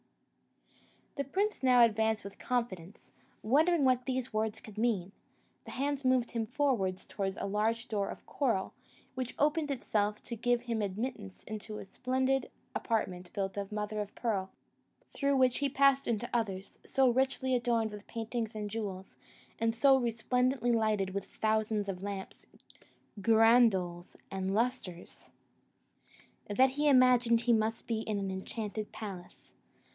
The prince now advanced with confidence, wondering what these words could mean; the hands moved him forward towards a large door of coral, which opened of itself to give him admittance into a splendid apartment built of mother o' pearl, through which he passed into others, so richly adorned with paintings and jewels, and so resplendently lighted with thousands of lamps, girandoles, and lustres, that he imagined he must be in an enchanted palace.